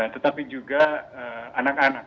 tetapi juga anak anak